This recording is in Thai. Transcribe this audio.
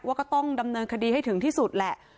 ก็ต้องดำเนินคดีให้ถึงที่สุดแหละ